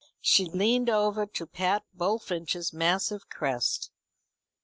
She leaned over to pat Bullfinch's massive crest.